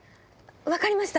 分かりました。